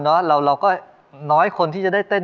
เราก็น้อยคนที่จะได้เต้น